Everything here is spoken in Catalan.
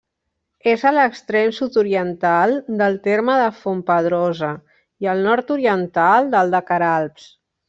És a l'extrem sud-oriental del terme de Fontpedrosa i al nord-oriental del de Queralbs.